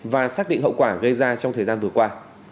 và xác định hậu quả gây ra trong thời gian vừa qua